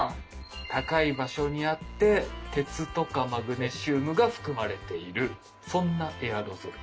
高い場所にあって鉄とかマグネシウムが含まれているそんなエアロゾル。